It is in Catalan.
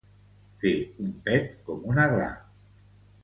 Fer un pet com una gla